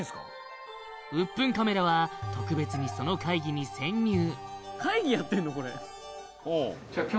ウップンカメラは特別にその会議に潜入